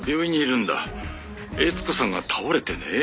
「悦子さんが倒れてね」